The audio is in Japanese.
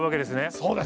そうです。